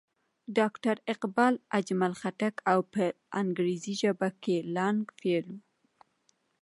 ډاکټر اقبال، اجمل خټک او پۀ انګريزي ژبه کښې لانګ فيلو